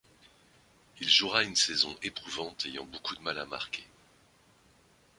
Il jouera une saison éprouvante ayant beaucoup de mal à marquer.